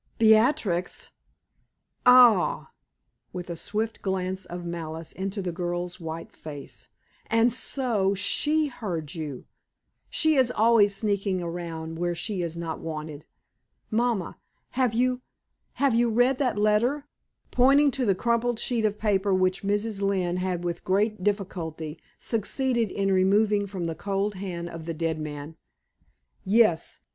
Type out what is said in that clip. "Beatrix! Ah!" with a swift glance of malice into the girl's white face "and so she heard you? She is always sneaking around where she is not wanted. Mamma, have you have you read that letter?" pointing to the crumpled sheet of paper which Mrs. Lynne had with great difficulty succeeded in removing from the cold hand of the dead man. "Yes.